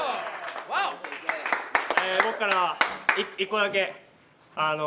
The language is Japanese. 僕からは１個だけ。